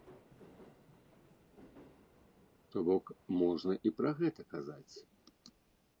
То-бок можна і пра гэта казаць.